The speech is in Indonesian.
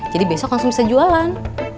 jadi besok langsung bisa jualan